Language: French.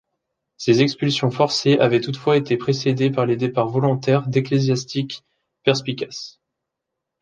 Ces expulsions forcées avaient toutefois été précédées par les départs volontaires d'ecclésiastiques perspicaces.